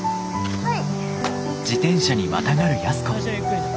はい。